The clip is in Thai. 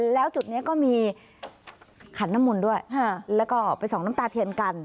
แล้วจุดนี้ก็มีขันน้ำมนต์ด้วยแล้วก็ไปส่องน้ำตาเทียนกัน